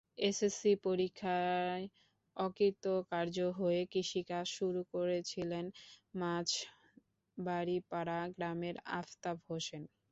SSC পরীক্ষায় অকৃতকার্য হয়ে কৃষিকাজ শুরু করেছিলেন মাঝবাড়ীপাড়া গ্রামের আফতাব হোসেন।